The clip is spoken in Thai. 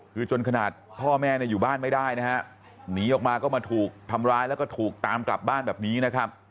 คือจนขนาดพ่อแม่เนี่ยอยู่บ้านไม่ได้นะฮะหนีออกมาก็มาถูกทำร้ายแล้วก็ถูกตามกลับบ้านแบบนี้นะครับ